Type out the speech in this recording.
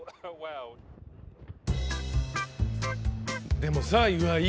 でもさ岩井